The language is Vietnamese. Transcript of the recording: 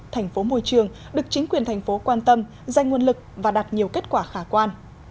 thành phố môi trường được chính quyền thành phố quan tâm dành nguồn lực và đạt nhiều kết quả khả quan